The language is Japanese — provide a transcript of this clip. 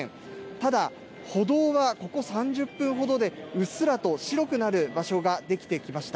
ただ歩道はここ３０分ほどでうっすらと白くなる場所ができてきました。